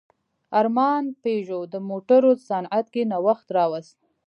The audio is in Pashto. ارمان پيژو د موټرو صنعت کې نوښت راوست.